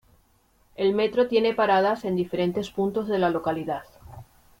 El metro tiene paradas en diferentes puntos de la localidad.